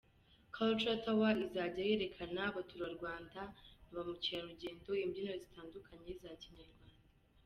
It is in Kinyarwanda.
Culture tour izajya yereka Abaturarwanda na bamukerarugendo imbyino zitandukanye za kinyarwanda.